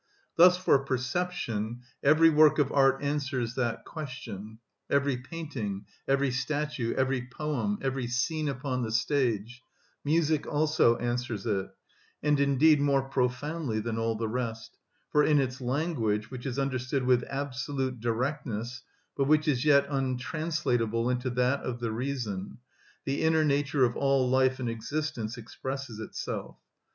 Thus for perception every work of art answers that question, every painting, every statue, every poem, every scene upon the stage: music also answers it; and indeed more profoundly than all the rest, for in its language, which is understood with absolute directness, but which is yet untranslatable into that of the reason, the inner nature of all life and existence expresses itself.